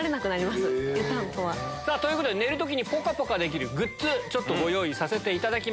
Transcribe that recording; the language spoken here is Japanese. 寝る時にポカポカできるグッズご用意させていただきました。